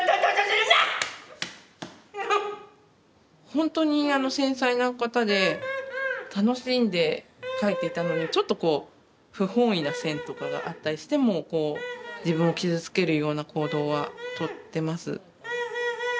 本当に繊細な方で楽しんで描いていたのにちょっとこう不本意な線とかがあったりしても自分を傷つけるような行動はとってます。